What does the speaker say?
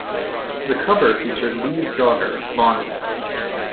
The cover featured Lea's daughter, Bonny.